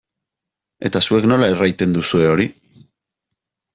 Eta zuek nola erraiten duzue hori?